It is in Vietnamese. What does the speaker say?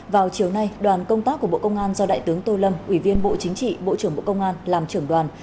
vào chiều nay đoàn công tác của bộ công an do đại tướng tô lâm ủy viên bộ chính trị bộ trưởng bộ công an làm trưởng đoàn